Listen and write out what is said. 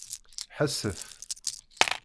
Ḥesset!